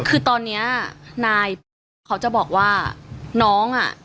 คือตอนเนี้ยนายปุ๊บเขาจะบอกว่าน้องอ่ะ